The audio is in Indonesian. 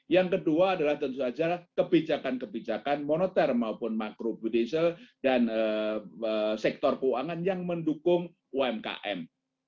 yang kedua adalah tentu saja kebijakan kebijakan moneter maupun makro budiesel dan sektor keuangan yang mendukung umkm